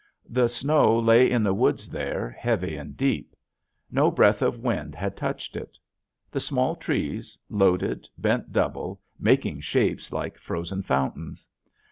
The snow lay in the woods there heavy and deep. No breath of wind had touched it. The small trees, loaded, bent double making shapes like frozen fountains.